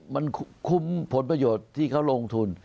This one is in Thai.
มันคุ้มผลประโยชน์ที่เขาลงทุน